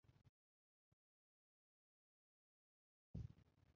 لماذا لا تريدون أن تقولوا لنا الحقيقة ؟